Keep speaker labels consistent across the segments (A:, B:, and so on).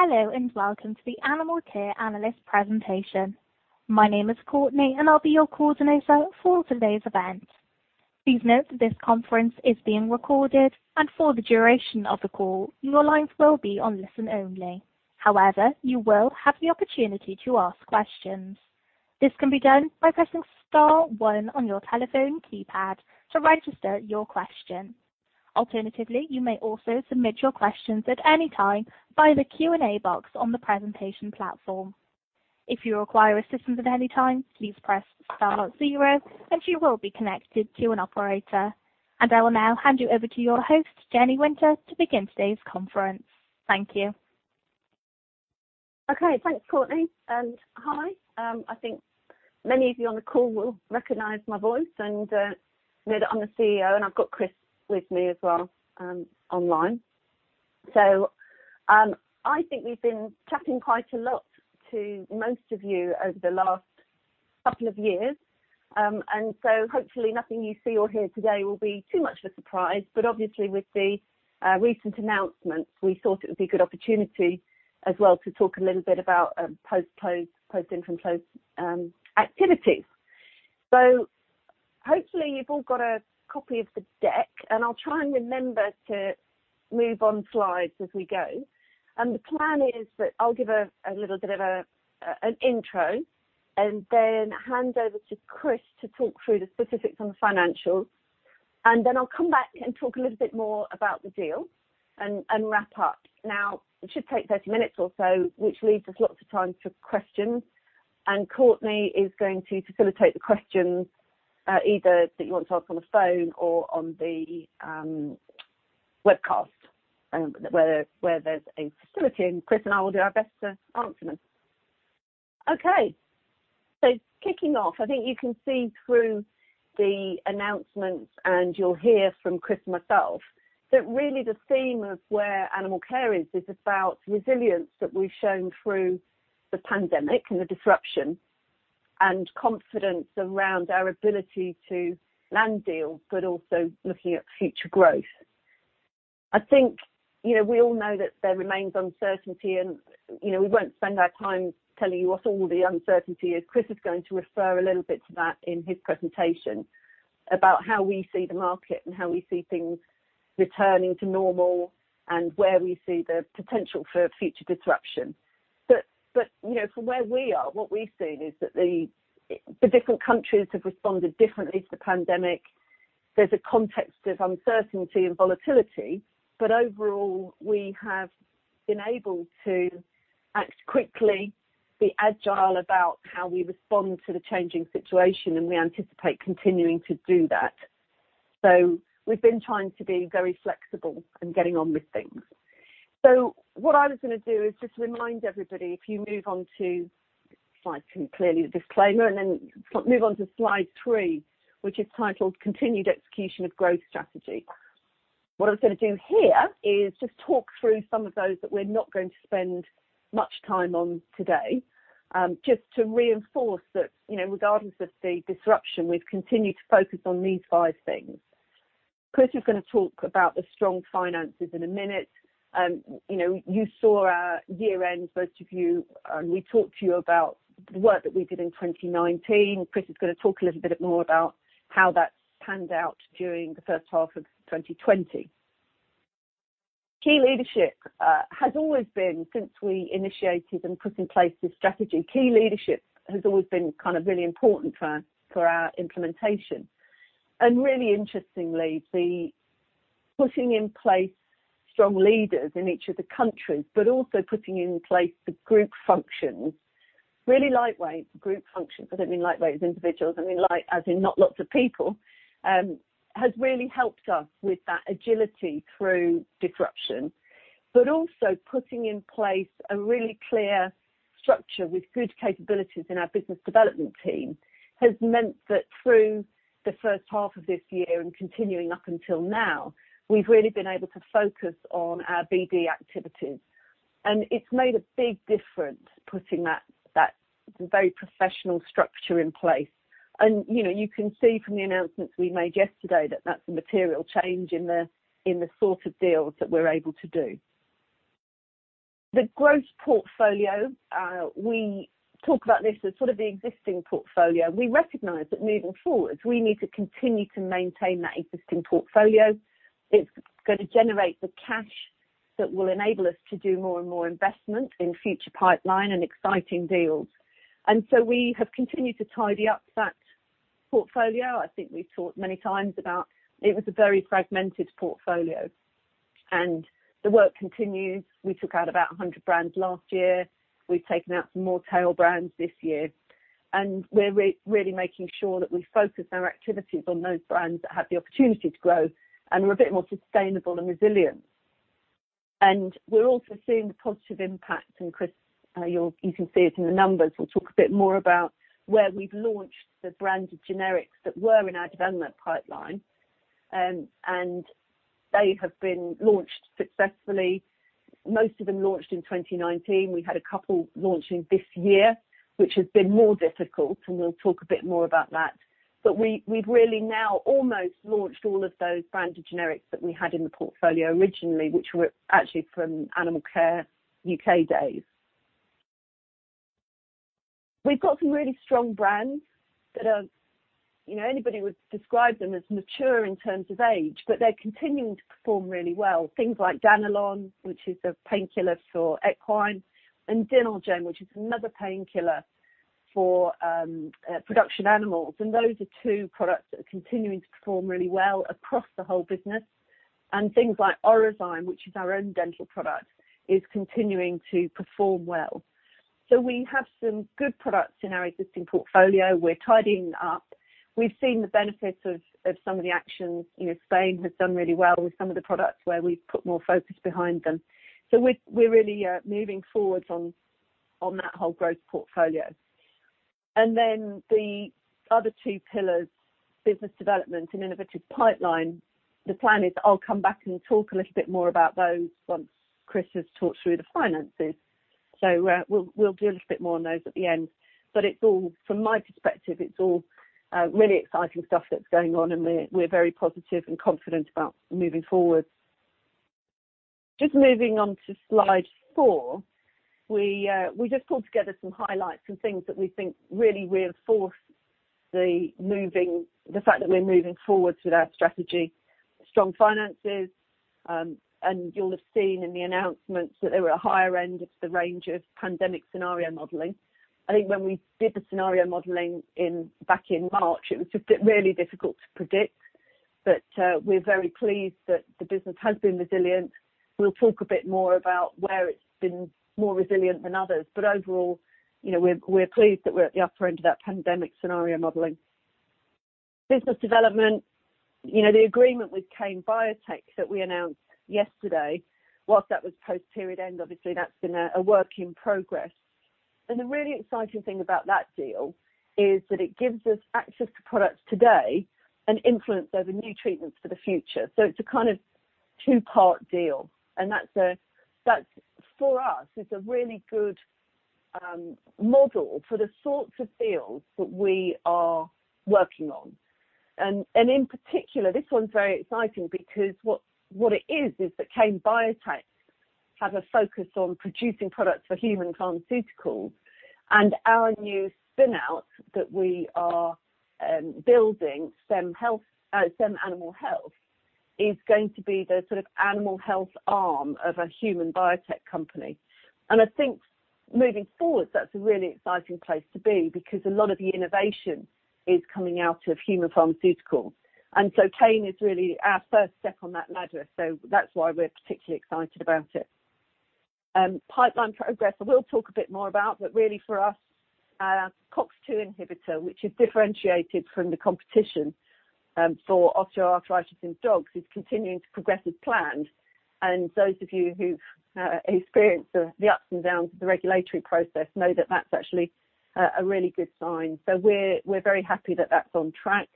A: Hello, and welcome to the Animalcare Analyst Presentation. My name is Courtney, and I'll be your coordinator for today's event. Please note that this conference is being recorded, and for the duration of the call, your lines will be on listen only. However, you will have the opportunity to ask questions. This can be done by pressing star one on your telephone keypad to register your question. Alternatively, you may also submit your questions at any time via the Q&A box on the presentation platform. If you require assistance at any time, please press star zero and you will be connected to an operator. I will now hand you over to your host, Jennifer Winter, to begin today's conference. Thank you.
B: Okay. Thanks, Courtney. Hi. I think many of you on the call will recognize my voice and know that I'm the CEO, and I've got Chris with me as well online. I think we've been chatting quite a lot to most of you over the last couple of years. Hopefully nothing you see or hear today will be too much of a surprise. Obviously with the recent announcements, we thought it would be a good opportunity as well to talk a little bit about post income close activities. Hopefully you've all got a copy of the deck. I'll try and remember to move on slides as we go. The plan is that I'll give a little bit of an intro and then hand over to Chris to talk through the specifics on the financials. Then I'll come back and talk a little bit more about the deal and wrap up. It should take 30 minutes or so, which leaves us lots of time for questions. Courtney is going to facilitate the questions either that you want to ask on the phone or on the webcast where there's a facility, and Chris and I will do our best to answer them. Kicking off, I think you can see through the announcements and you'll hear from Chris and myself that really the theme of where Animalcare is about resilience that we've shown through the pandemic and the disruption, and confidence around our ability to land deals, but also looking at future growth. I think we all know that there remains uncertainty and we won't spend our time telling you what all the uncertainty is. Chris is going to refer a little bit to that in his presentation about how we see the market and how we see things returning to normal and where we see the potential for future disruption. From where we are, what we've seen is that the different countries have responded differently to the pandemic. There's a context of uncertainty and volatility, but overall we have been able to act quickly, be agile about how we respond to the changing situation, and we anticipate continuing to do that. We've been trying to be very flexible and getting on with things. What I was going to do is just remind everybody, if you move on to slide two, clearly the disclaimer, and then move on to slide three, which is titled Continued Execution of Growth Strategy. What I was going to do here is just talk through some of those that we're not going to spend much time on today. Just to reinforce that regardless of the disruption, we've continued to focus on these five things. Chris is going to talk about the strong finances in a minute. You saw our year-end, those of you, we talked to you about the work that we did in 2019. Chris is going to talk a little bit more about how that panned out during the first half of 2020. Key leadership has always been, since we initiated and put in place this strategy, kind of really important for our implementation. Really interestingly, the putting in place strong leaders in each of the countries, but also putting in place the group functions, really lightweight group functions. I don't mean lightweight as individuals, I mean light as in not lots of people, has really helped us with that agility through disruption. Also putting in place a really clear structure with good capabilities in our business development team has meant that through the first half of this year and continuing up until now, we've really been able to focus on our BD activities. It's made a big difference putting that very professional structure in place. You can see from the announcements we made yesterday that that's a material change in the sort of deals that we're able to do. The growth portfolio, we talk about this as sort of the existing portfolio. We recognize that moving forwards we need to continue to maintain that existing portfolio. It is going to generate the cash that will enable us to do more and more investment in future pipeline and exciting deals. We have continued to tidy up that portfolio. I think we have talked many times about it was a very fragmented portfolio, and the work continues. We took out about 100 brands last year. We have taken out some more tail brands this year, and we are really making sure that we focus our activities on those brands that have the opportunity to grow and are a bit more sustainable and resilient. We are also seeing the positive impact. Chris, you can see it in the numbers. We will talk a bit more about where we have launched the branded generics that were in our development pipeline. They have been launched successfully. Most of them launched in 2019. We've had a couple launching this year, which has been more difficult, and we'll talk a bit more about that. We've really now almost launched all of those branded generics that we had in the portfolio originally, which were actually from Animalcare UK days. We've got some really strong brands that anybody would describe them as mature in terms of age. They're continuing to perform really well. Things like Danilon, which is a painkiller for equine. Dinalgen, which is another painkiller for production animals. Those are two products that are continuing to perform really well across the whole business. Things like Orozyme, which is our own dental product, is continuing to perform well. We have some good products in our existing portfolio. We're tidying up. We've seen the benefits of some of the actions. Spain has done really well with some of the products where we've put more focus behind them. We're really moving forwards on that whole growth portfolio. The other two pillars, business development and innovative pipeline. The plan is I'll come back and talk a little bit more about those once Chris has talked through the finances. We'll do a little bit more on those at the end. From my perspective, it's all really exciting stuff that's going on, and we're very positive and confident about moving forward. Just moving on to slide four. We just pulled together some highlights, some things that we think really reinforce the fact that we're moving forward with our strategy. Strong finances. You'll have seen in the announcements that they were at a higher end of the range of pandemic scenario modeling. I think when we did the scenario modeling back in March, it was just really difficult to predict. We're very pleased that the business has been resilient. We'll talk a bit more about where it's been more resilient than others. Overall, we're pleased that we're at the upper end of that pandemic scenario modeling. Business development. The agreement with Kane Biotech that we announced yesterday, whilst that was post-period end, obviously, that's been a work in progress. The really exciting thing about that deal is that it gives us access to products today and influence over new treatments for the future. It's a kind of two-part deal, and that for us, is a really good model for the sorts of deals that we are working on. In particular, this one's very exciting because what it is that Kane Biotech have a focus on producing products for human pharmaceuticals, and our new spin-out that we are building, STEM Animal Health, is going to be the sort of animal health arm of a human biotech company. I think moving forward, that's a really exciting place to be because a lot of the innovation is coming out of human pharmaceutical. Kane is really our first step on that ladder. That's why we're particularly excited about it. Pipeline progress, I will talk a bit more about, but really for us, our COX-2 inhibitor, which is differentiated from the competition for osteoarthritis in dogs, is continuing to progress as planned. Those of you who've experienced the ups and downs of the regulatory process know that that's actually a really good sign. We're very happy that that's on track,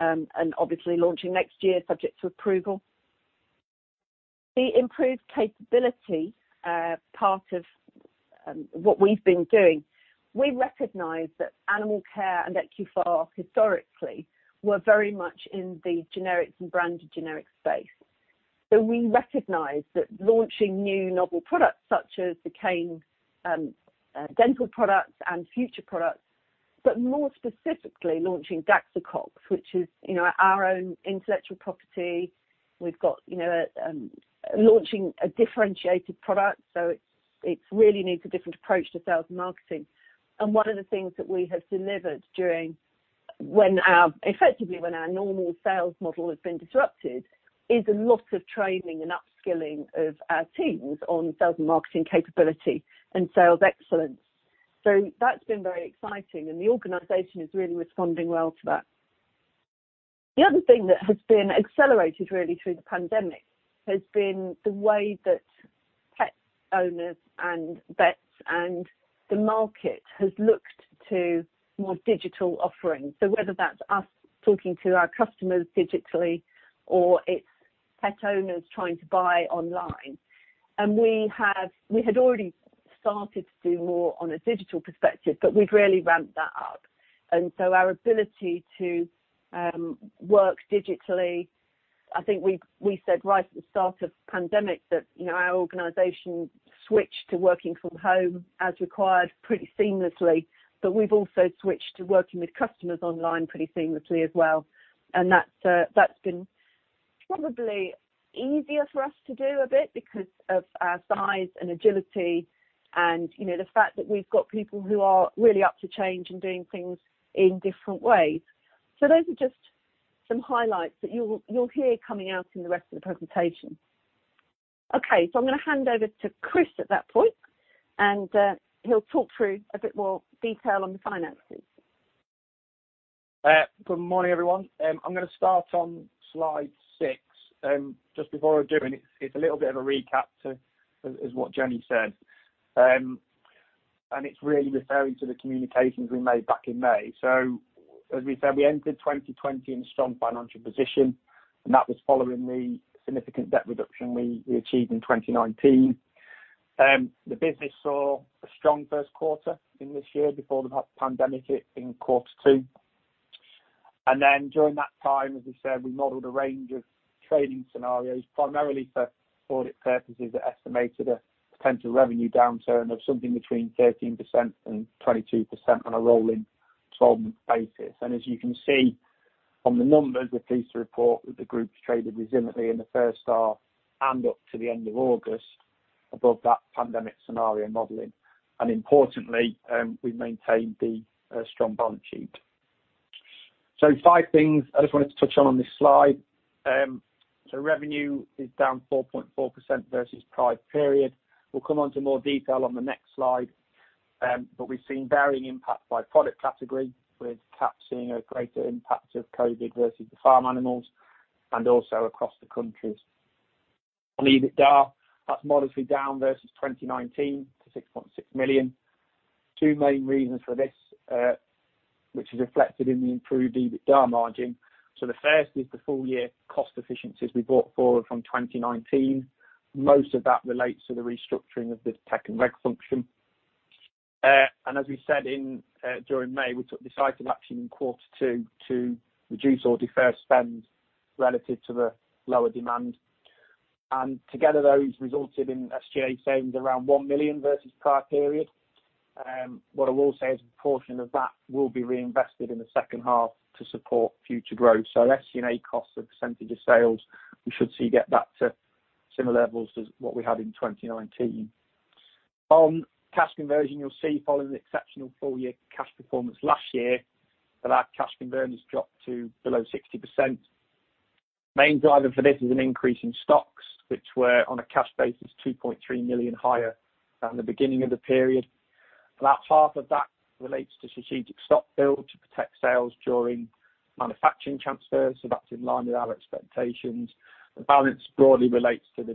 B: and obviously launching next year, subject to approval. The improved capability part of what we've been doing. We recognize that Animalcare and Ecuphar historically were very much in the generics and branded generics space. We recognize that launching new novel products such as the Kane dental products and future products, but more specifically launching Daxocox, which is our own intellectual property. We've got launching a differentiated product, so it really needs a different approach to sales and marketing. One of the things that we have delivered effectively when our normal sales model has been disrupted, is a lot of training and upskilling of our teams on sales and marketing capability and sales excellence. That's been very exciting, and the organization is really responding well to that. The other thing that has been accelerated really through the pandemic has been the way that pet owners and vets and the market has looked to more digital offerings, whether that's us talking to our customers digitally or it's pet owners trying to buy online. We had already started to do more on a digital perspective, but we've really ramped that up. Our ability to work digitally, I think we said right at the start of the pandemic that our organization switched to working from home as required pretty seamlessly. We've also switched to working with customers online pretty seamlessly as well. That's been probably easier for us to do a bit because of our size and agility and the fact that we've got people who are really up to change and doing things in different ways. Those are just some highlights that you'll hear coming out in the rest of the presentation. Okay, I'm going to hand over to Chris at that point, and he'll talk through a bit more detail on the finances.
C: Good morning, everyone. I'm going to start on slide six. Just before I do, it's a little bit of a recap to what Jenny said. It's really referring to the communications we made back in May. As we said, we entered 2020 in a strong financial position, that was following the significant debt reduction we achieved in 2019. The business saw a strong first quarter in this year before the pandemic hit in quarter two. During that time, as we said, we modeled a range of trading scenarios, primarily for audit purposes, that estimated a potential revenue downturn of something between 13% and 22% on a rolling 12-month basis. As you can see from the numbers, we're pleased to report that the group's traded resiliently in the first half and up to the end of August above that pandemic scenario modeling. Importantly, we've maintained the strong balance sheet. Five things I just wanted to touch on on this slide. Revenue is down 4.4% versus prior period. We'll come on to more detail on the next slide, but we've seen varying impact by product category, with cats seeing a greater impact of COVID versus the farm animals, and also across the countries. On EBITDA, that's modestly down versus 2019 to 6.6 million. Two main reasons for this, which is reflected in the improved EBITDA margin. The first is the full-year cost efficiencies we brought forward from 2019. Most of that relates to the restructuring of the tech and reg function. As we said during May, we took decisive action in quarter two to reduce or defer spend relative to the lower demand. Together, those resulted in SGA savings around 1 million versus prior period. What I will say is a proportion of that will be reinvested in the second half to support future growth. SGA costs a % of sales, we should see get back to similar levels to what we had in 2019. On cash conversion, you'll see following the exceptional full-year cash performance last year, that our cash conversion has dropped to below 60%. Main driver for this is an increase in stocks, which were on a cash basis, 2.3 million higher than the beginning of the period. About half of that relates to strategic stock build to protect sales during manufacturing transfers, so that's in line with our expectations. The balance broadly relates to the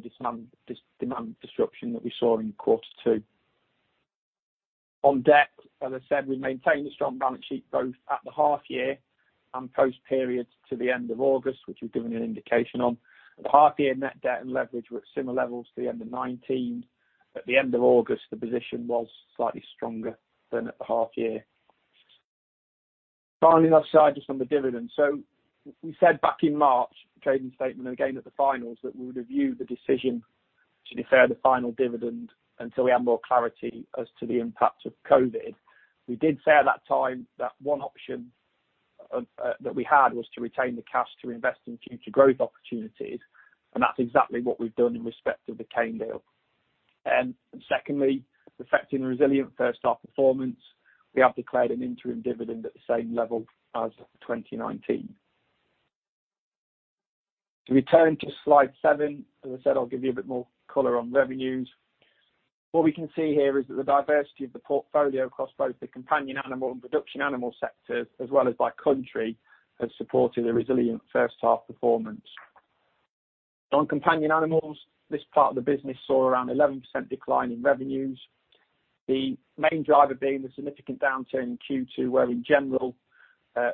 C: demand disruption that we saw in quarter two. On debt, as I said, we maintained a strong balance sheet both at the half year and post period to the end of August, which we've given an indication on. The half-year net debt and leverage were at similar levels to the end of 2019. At the end of August, the position was slightly stronger than at the half year. Finally, I'll side just on the dividend. We said back in March, trading statement, and again at the finals, that we would review the decision to defer the final dividend until we have more clarity as to the impact of COVID. We did say at that time that one option that we had was to retain the cash to invest in future growth opportunities, and that's exactly what we've done in respect of the Kane deal. Secondly, reflecting the resilient first half performance, we have declared an interim dividend at the same level as 2019. If we turn to slide seven, as I said, I'll give you a bit more color on revenues. What we can see here is that the diversity of the portfolio across both the companion animal and production animal sectors, as well as by country, has supported a resilient first half performance. On companion animals, this part of the business saw around 11% decline in revenues, the main driver being the significant downturn in Q2, where in general,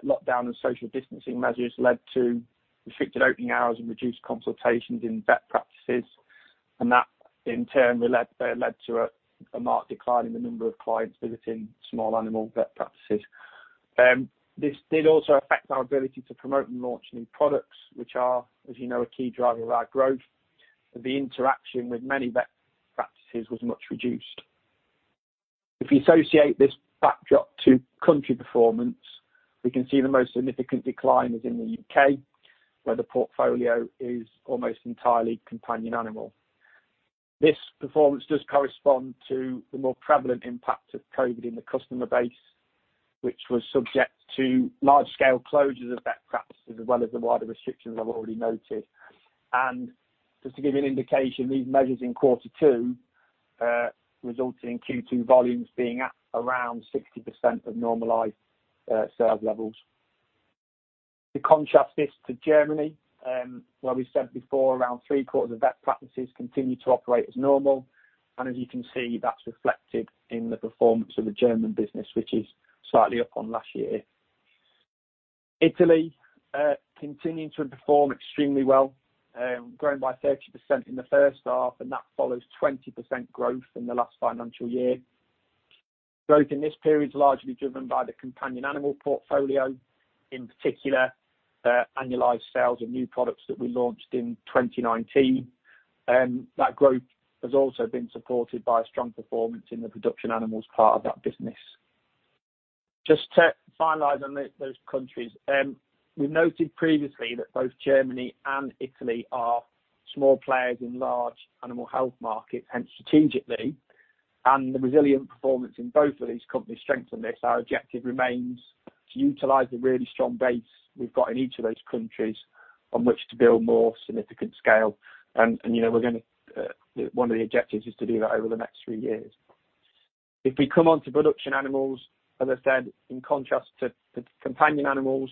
C: lockdown and social distancing measures led to restricted opening hours and reduced consultations in vet practices, and that in turn led to a marked decline in the number of clients visiting small animal vet practices. This did also affect our ability to promote and launch new products, which are, as you know, a key driver of our growth. The interaction with many vet practices was much reduced. If we associate this backdrop to country performance, we can see the most significant decline is in the U.K., where the portfolio is almost entirely companion animal. This performance does correspond to the more prevalent impact of COVID in the customer base, which was subject to large-scale closures of vet practices, as well as the wider restrictions I've already noted. Just to give you an indication, these measures in quarter two resulted in Q2 volumes being at around 60% of normalized sales levels. To contrast this to Germany, where we said before, around three quarters of vet practices continue to operate as normal. As you can see, that's reflected in the performance of the German business, which is slightly up on last year. Italy continuing to perform extremely well, growing by 30% in the first half, and that follows 20% growth in the last financial year. Growth in this period is largely driven by the Companion Animals portfolio, in particular, annualized sales of new products that we launched in 2019. That growth has also been supported by a strong performance in the production animal part of that business. Just to finalize on those countries. We noted previously that both Germany and Italy are small players in large animal health markets and strategically, and the resilient performance in both of these companies strengthen this. Our objective remains to utilize the really strong base we've got in each of those countries on which to build more significant scale. One of the objectives is to do that over the next three years. If we come onto Production Animals, as I said, in contrast to the Companion Animals,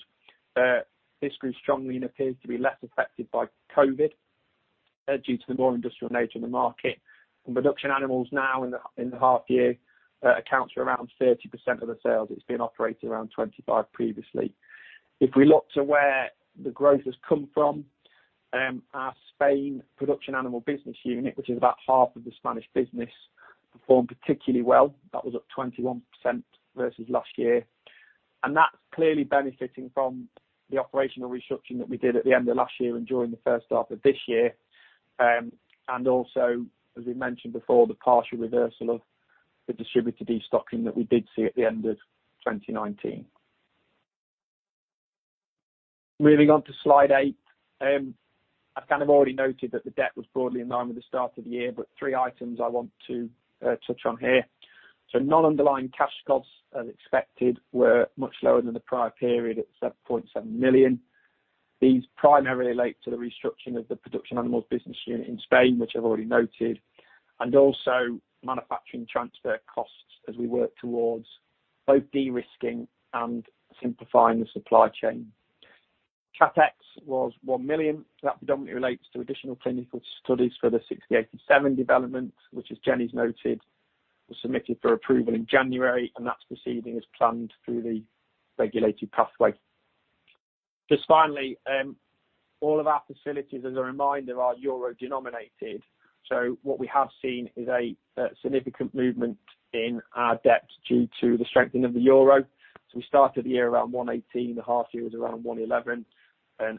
C: this grew strongly and appears to be less affected by COVID due to the more industrial nature of the market. Production Animals now in the half year accounts for around 30% of the sales. It's been operating around 25% previously. If we look to where the growth has come from. Our Spain Production Animal business unit, which is about half of the Spanish business, performed particularly well. That was up 21% versus last year. That's clearly benefiting from the operational restructuring that we did at the end of last year and during the first half of this year. Also, as we mentioned before, the partial reversal of the distributed destocking that we did see at the end of 2019. Moving on to slide eight. I've kind of already noted that the debt was broadly in line with the start of the year, but three items I want to touch on here. Non-underlying cash costs, as expected, were much lower than the prior period at 7.7 million. These primarily relate to the restructuring of the production animals business unit in Spain, which I've already noted, and also manufacturing transfer costs as we work towards both de-risking and simplifying the supply chain. CapEx was 1 million. That predominantly relates to additional clinical studies for the E-6087 development, which as Jenny's noted, was submitted for approval in January, and that's proceeding as planned through the regulated pathway. Just finally, all of our facilities, as a reminder, are euro-denominated. What we have seen is a significant movement in our debt due to the strengthening of the euro. We started the year around 118, the half year was around 111.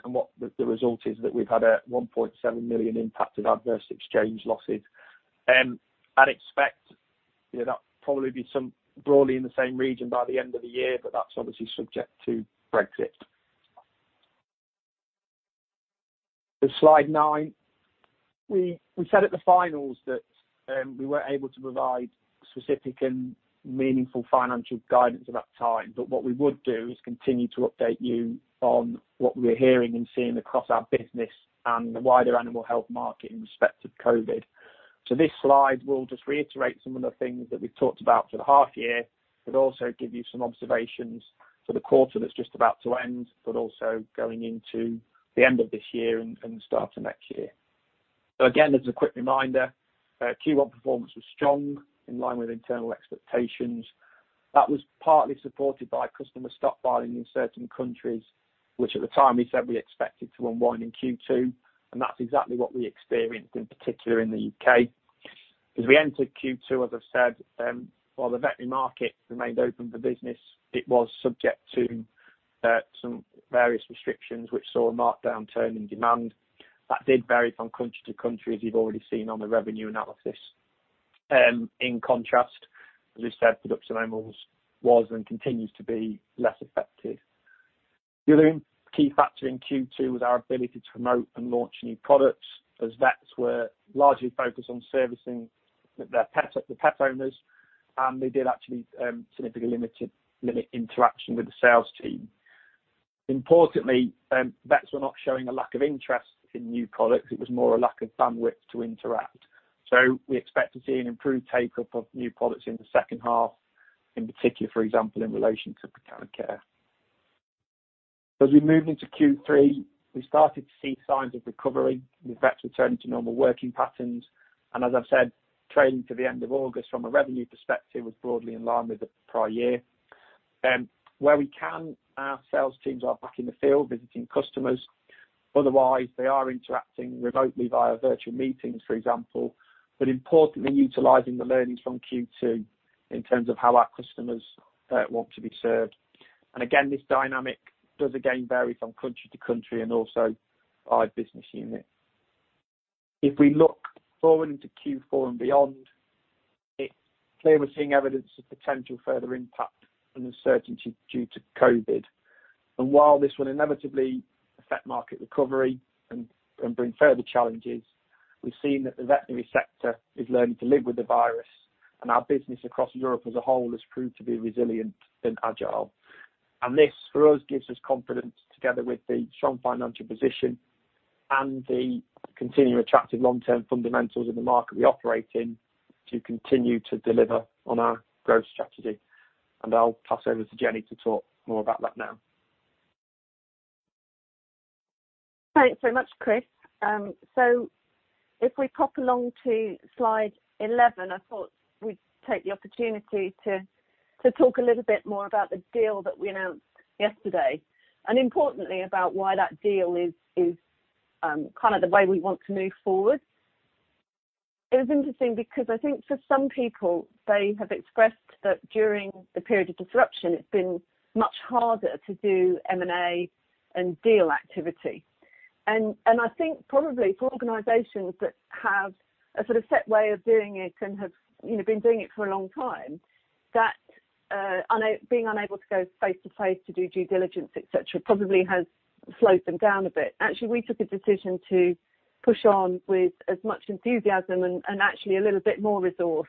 C: What the result is that we've had a 1.7 million impact of adverse exchange losses. I'd expect that probably be broadly in the same region by the end of the year, but that's obviously subject to Brexit. Slide nine. We said at the finals that we weren't able to provide specific and meaningful financial guidance at that time, what we would do is continue to update you on what we're hearing and seeing across our business and the wider animal health market in respect of COVID. This slide will just reiterate some of the things that we've talked about for the half year, also give you some observations for the quarter that's just about to end, also going into the end of this year and start of next year. Again, as a quick reminder, Q1 performance was strong, in line with internal expectations. That was partly supported by customer stockpiling in certain countries, which at the time we said we expected to unwind in Q2, and that's exactly what we experienced, in particular in the U.K. As we entered Q2, as I've said, while the veterinary market remained open for business, it was subject to some various restrictions which saw a marked downturn in demand. That did vary from country to country, as you've already seen on the revenue analysis. In contrast, as we said, production animals was and continues to be less affected. The other key factor in Q2 was our ability to promote and launch new products, as vets were largely focused on servicing the pet owners, and they did actually significantly limit interaction with the sales team. Importantly, vets were not showing a lack of interest in new products. It was more a lack of bandwidth to interact. We expect to see an improved take-up of new products in the second half, in particular, for example, in relation to Companion Animals. As we moved into Q3, we started to see signs of recovery with vets returning to normal working patterns. As I've said, trading to the end of August from a revenue perspective was broadly in line with the prior year. Where we can, our sales teams are back in the field visiting customers. Otherwise, they are interacting remotely via virtual meetings, for example, but importantly utilizing the learnings from Q2 in terms of how our customers want to be served. Again, this dynamic does again vary from country to country and also by business unit. If we look forward into Q4 and beyond, it's clear we're seeing evidence of potential further impact and uncertainty due to COVID. While this will inevitably affect market recovery and bring further challenges, we've seen that the veterinary sector is learning to live with the virus, and our business across Europe as a whole has proved to be resilient and agile. This, for us, gives us confidence together with the strong financial position and the continuing attractive long-term fundamentals in the market we operate in to continue to deliver on our growth strategy. I'll pass over to Jenny to talk more about that now.
B: Thanks so much, Chris. If we pop along to slide 11, I thought we'd take the opportunity to talk a little bit more about the deal that we announced yesterday, and importantly about why that deal is kind of the way we want to move forward. It was interesting because I think for some people, they have expressed that during the period of disruption, it's been much harder to do M&A and deal activity. I think probably for organizations that have a sort of set way of doing it and have been doing it for a long time, that being unable to go face to face to do due diligence, et cetera, probably has slowed them down a bit. Actually, we took a decision to push on with as much enthusiasm and actually a little bit more resource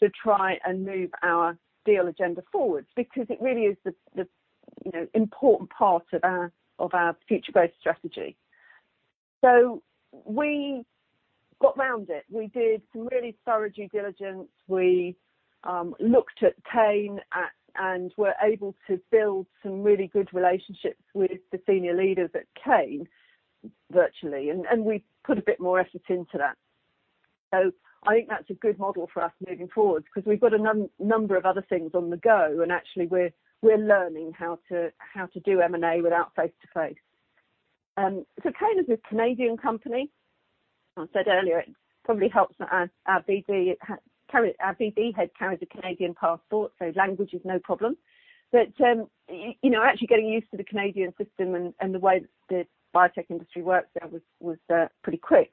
B: to try and move our deal agenda forward. It really is the important part of our future growth strategy. We got around it. We did some really thorough due diligence. We looked at Kane and were able to build some really good relationships with the senior leaders at Kane virtually, and we put a bit more effort into that. I think that's a good model for us moving forward, because we've got a number of other things on the go. Actually, we're learning how to do M&A without face-to-face. Kane is a Canadian company. As I said earlier, it probably helps that our BD head carries a Canadian passport, so language is no problem. Actually getting used to the Canadian system and the way that the biotech industry works there was pretty quick.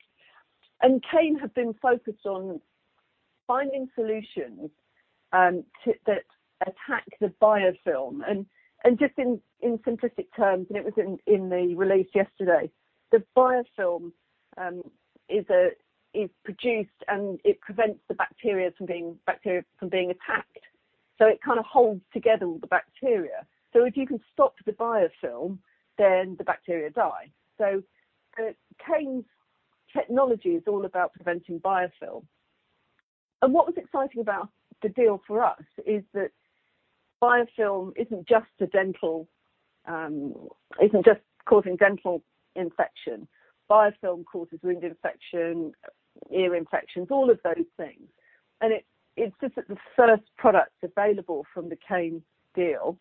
B: Kane have been focused on finding solutions that attack the biofilm. Just in simplistic terms, and it was in the release yesterday, the biofilm is produced, and it prevents the bacteria from being attacked. It kind of holds together all the bacteria. If you can stop the biofilm, then the bacteria die. Kane's technology is all about preventing biofilm. What was exciting about the deal for us is that biofilm isn't just causing dental infection. Biofilm causes wound infection, ear infections, all of those things. It's just that the first products available from the Kane deal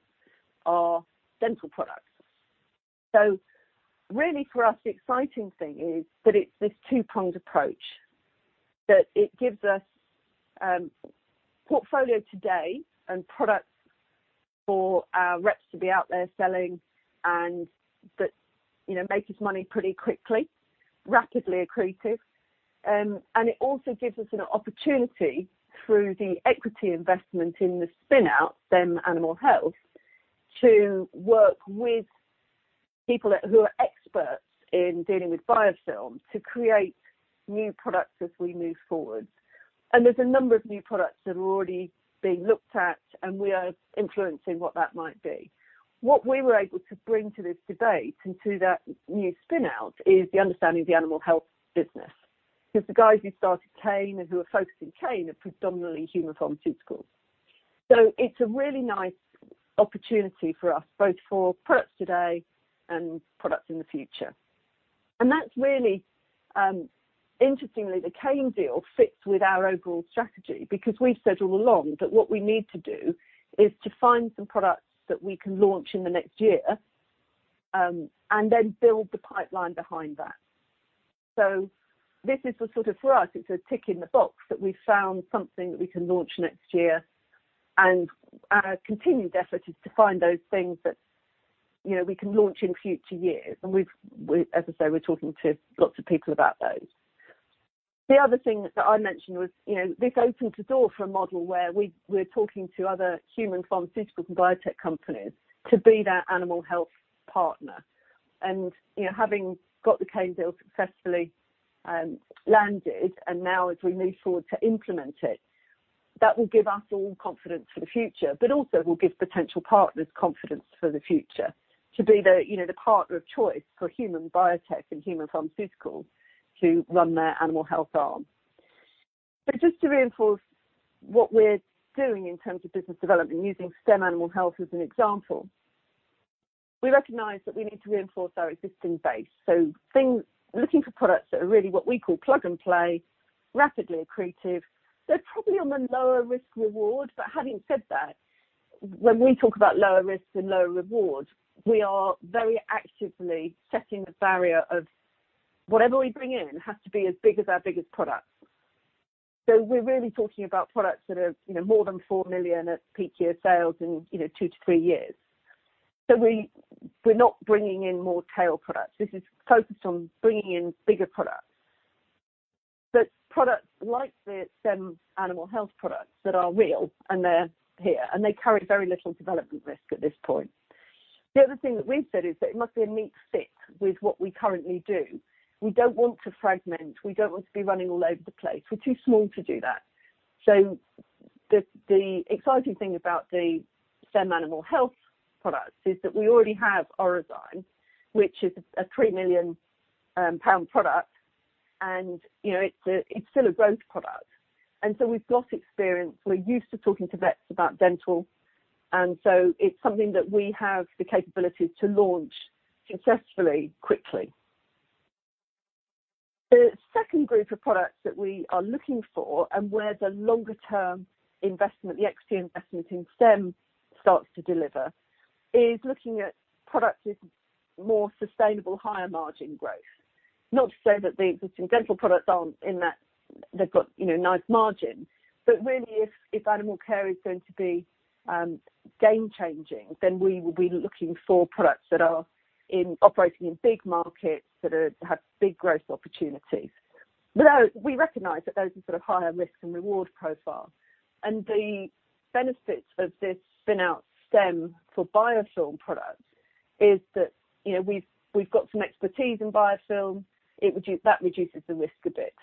B: are dental products. Really for us, the exciting thing is that it's this two-pronged approach. That it gives us portfolio today and products for our reps to be out there selling and that makes us money pretty quickly, rapidly accretive. It also gives us an opportunity through the equity investment in the spin-out, STEM Animal Health, to work with people who are experts in dealing with biofilm to create new products as we move forward. There's a number of new products that are already being looked at, and we are influencing what that might be. What we were able to bring to this debate and to that new spin-out is the understanding of the animal health business. The guys who started Kane and who are focused in Kane are predominantly human pharmaceuticals. It's a really nice opportunity for us, both for products today and products in the future. That's really, interestingly, the Kane deal fits with our overall strategy because we've said all along that what we need to do is to find some products that we can launch in the next year, and then build the pipeline behind that. This is sort of, for us, it's a tick in the box that we've found something that we can launch next year. Our continued effort is to find those things that we can launch in future years. As I say, we're talking to lots of people about those. The other thing that I mentioned was, this opened the door for a model where we're talking to other human pharmaceuticals and biotech companies to be their animal health partner. Having got the Kane deal successfully landed, now as we move forward to implement it, that will give us all confidence for the future, but also will give potential partners confidence for the future to be the partner of choice for human biotech and human pharmaceuticals to run their animal health arm. Just to reinforce what we're doing in terms of business development, using STEM Animal Health as an example, we recognize that we need to reinforce our existing base. Looking for products that are really what we call plug-and-play, rapidly accretive. They're probably on the lower risk reward. Having said that, when we talk about lower risk and lower reward, we are very actively setting the barrier of whatever we bring in has to be as big as our biggest products. We're really talking about products that are more than 4 million at peak year sales in two to three years. We're not bringing in more tail products. This is focused on bringing in bigger products. Products like the STEM Animal Health products that are real, and they're here, and they carry very little development risk at this point. The other thing that we've said is that it must be a neat fit with what we currently do. We don't want to fragment. We don't want to be running all over the place. We're too small to do that. The exciting thing about the STEM Animal Health products is that we already have Orozyme, which is a 3 million pound product, and it's still a growth product. We've got experience. We're used to talking to vets about dental. It's something that we have the capabilities to launch successfully, quickly. The second group of products that we are looking for and where the longer-term investment, the equity investment in STEM starts to deliver, is looking at products with more sustainable, higher margin growth. Not to say that the dental products aren't in that they've got nice margin. Really, if Animalcare is going to be game-changing, then we will be looking for products that are operating in big markets, that have big growth opportunities. We recognize that those are sort of higher risk and reward profile. The benefits of this spin-out STEM for biofilm products is that, we've got some expertise in biofilm. That reduces the risk a bit.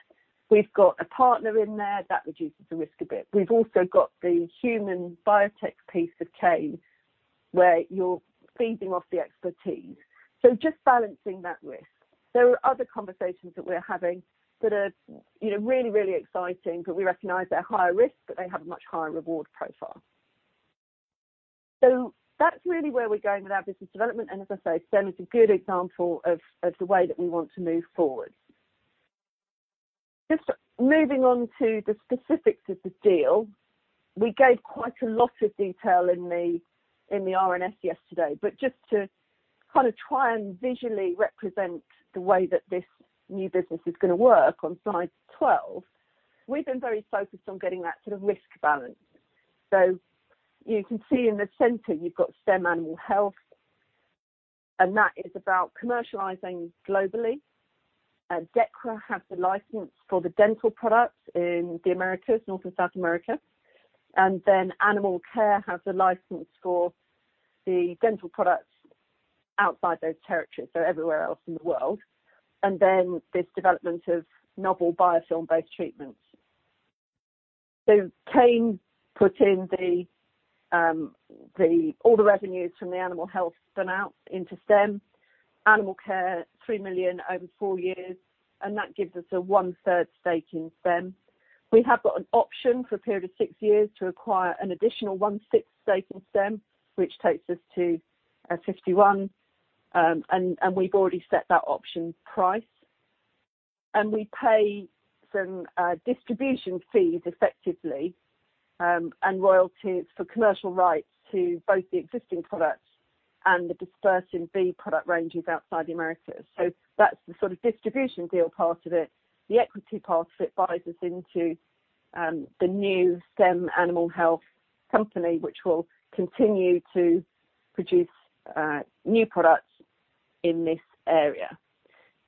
B: We've got a partner in there. That reduces the risk a bit. We've also got the human biotech piece of Kane, where you're feeding off the expertise. Just balancing that risk. There are other conversations that we're having that are really exciting, but we recognize they're higher risk, but they have a much higher reward profile. That's really where we're going with our business development. As I say, STEM is a good example of the way that we want to move forward. Just moving on to the specifics of the deal. We gave quite a lot of detail in the RNS yesterday, but just to try and visually represent the way that this new business is going to work on slide 12, we've been very focused on getting that sort of risk balance. You can see in the center, you've got STEM Animal Health, and that is about commercializing globally. Dechra has the license for the dental products in the Americas, North and South America. Animalcare has the license for the dental products outside those territories, so everywhere else in the world. This development of novel biofilm-based treatments. Kane put in all the revenues from the animal health spin-out into STEM, Animalcare, 3 million over four years, and that gives us a one-third stake in STEM. We have got an option for a period of six years to acquire an additional one-sixth stake in STEM, which takes us to 51, and we've already set that option price. We pay some distribution fees effectively, and royalties for commercial rights to both the existing products and the DispersinB product ranges outside the Americas. That's the sort of distribution deal part of it. The equity part of it buys us into the new STEM Animal Health company, which will continue to produce new products in this area.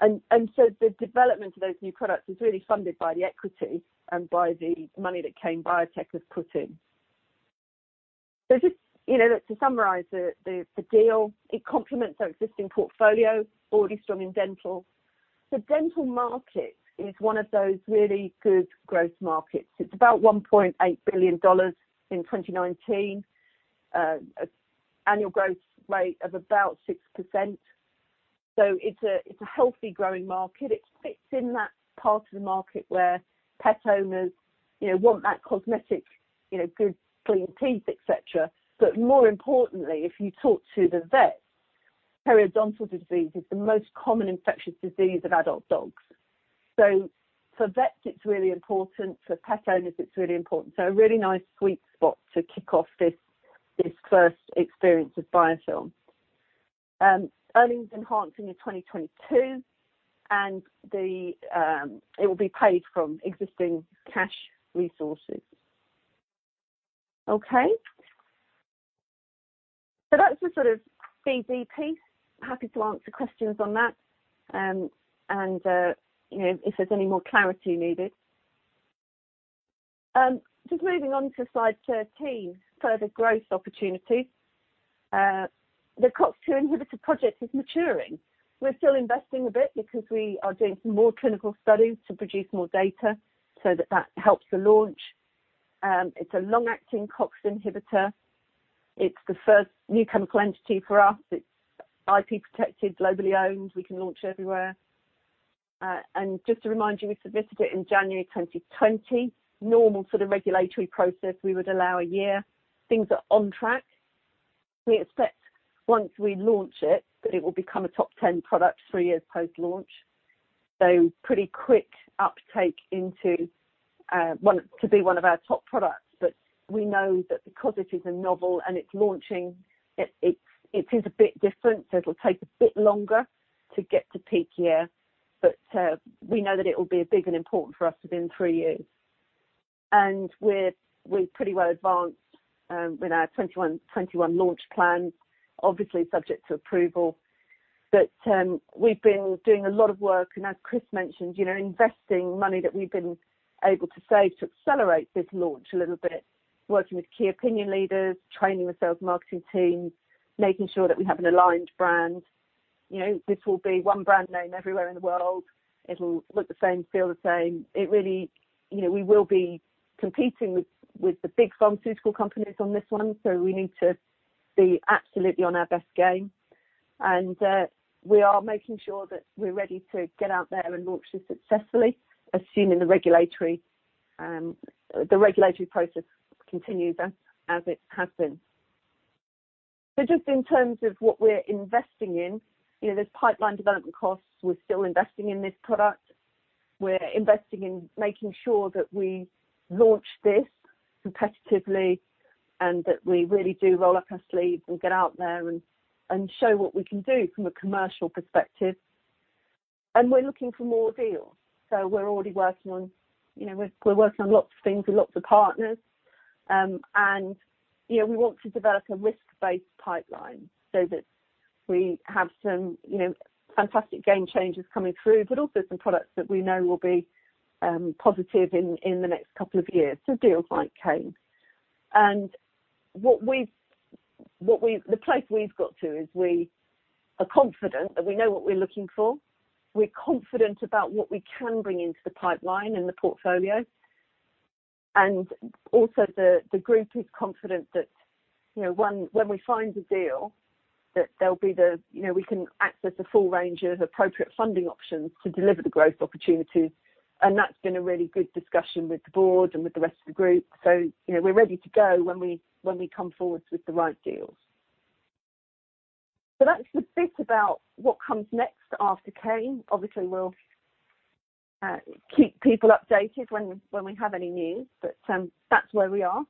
B: The development of those new products is really funded by the equity and by the money that Kane Biotech has put in. Just to summarize the deal, it complements our existing portfolio, already strong in dental. The dental market is one of those really good growth markets. It's about GBP 1.8 billion in 2019. Annual growth rate of about 6%. It's a healthy growing market. It fits in that part of the market where pet owners want that cosmetic, good clean teeth, et cetera. More importantly, if you talk to the vets, periodontal disease is the most common infectious disease of adult dogs. For vets, it's really important, for pet owners, it's really important. A really nice sweet spot to kick off this first experience of biofilm. Earnings enhancing in 2022, and it will be paid from existing cash resources. Okay. That's the sort of BD piece. Happy to answer questions on that, and if there's any more clarity needed. Just moving on to slide 13, further growth opportunities. The COX-2 inhibitor project is maturing. We're still investing a bit because we are doing some more clinical studies to produce more data so that that helps the launch. It's a long-acting COX inhibitor. It's the first new chemical entity for us. It's IP protected, globally owned. We can launch everywhere. Just to remind you, we submitted it in January 2020. Normal sort of regulatory process, we would allow a year. Things are on track. We expect once we launch it, that it will become a top 10 product three years post-launch. Pretty quick uptake to be one of our top products. We know that because it is novel and it's launching, it is a bit different, so it'll take a bit longer to get to peak year. We know that it will be big and important for us within three years. We're pretty well advanced with our 2021 launch plan, obviously subject to approval. We've been doing a lot of work, and as Chris mentioned, investing money that we've been able to save to accelerate this launch a little bit, working with key opinion leaders, training the sales marketing team, making sure that we have an aligned brand. This will be one brand name everywhere in the world. It'll look the same, feel the same. We will be competing with the big pharmaceutical companies on this one. We need to be absolutely on our best game. We are making sure that we're ready to get out there and launch this successfully, assuming the regulatory process continues as it has been. Just in terms of what we're investing in, there's pipeline development costs. We're still investing in this product. We're investing in making sure that we launch this competitively and that we really do roll up our sleeves and get out there and show what we can do from a commercial perspective. We're looking for more deals. We're already working on lots of things with lots of partners. We want to develop a risk-based pipeline so that we have some fantastic game-changers coming through, but also some products that we know will be positive in the next couple of years. Deals like Kane. The place we've got to is we are confident that we know what we're looking for. We're confident about what we can bring into the pipeline and the portfolio. Also the group is confident that when we find a deal that we can access a full range of appropriate funding options to deliver the growth opportunities. That's been a really good discussion with the board and with the rest of the group. We're ready to go when we come forward with the right deals. That's the bit about what comes next after Kane. Obviously, we'll keep people updated when we have any news, but that's where we are.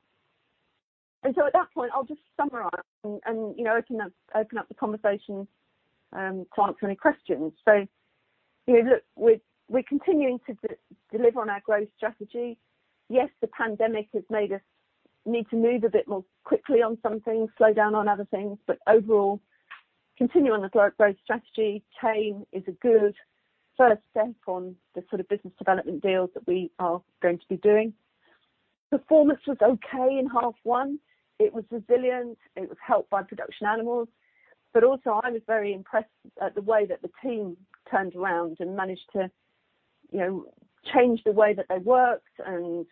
B: At that point, I'll just summarize and open up the conversation to answer any questions. We're continuing to deliver on our growth strategy. Yes, the pandemic has made us need to move a bit more quickly on some things, slow down on other things. Overall, continuing the growth strategy, Kane is a good first step on the sort of business development deals that we are going to be doing. Performance was okay in half one. It was resilient. It was helped by production animals. Also, I was very impressed at the way that the team turned around and managed to change the way that they worked and